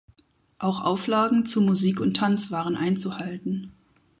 Auch Auflagen zu Musik und Tanz waren einzuhalten.